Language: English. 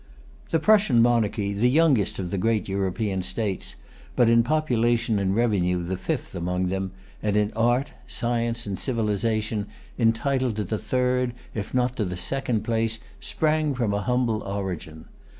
The Prussian monarchy, the youngest of the great European states, but in population and revenue the fifth among them, and in art, science, and civilization entitled to the third, if not to the second place, sprang from a humble origin.